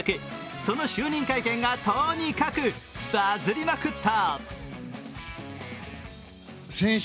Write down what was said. その就任会見がとにかくバズりまくった。